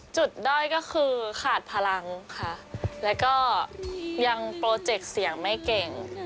ด้อยก็คือขาดพลังค่ะแล้วก็ยังโปรเจกต์เสียงไม่เก่ง